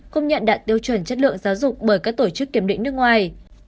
công nhận đạt tiêu chuẩn chất lượng giáo dục bởi các tổ chức kiểm định nước ngoài